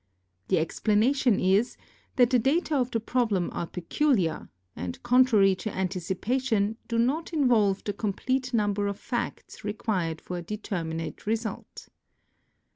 The explanation is that the data of the problem are peculiar, and contrary to anticipation, do not involve the complete number of facts required for a determinate result.